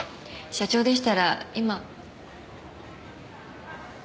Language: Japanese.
社長でしたら今。